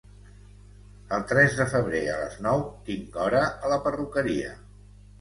El tres de febrer a les nou tinc hora a la perruqueria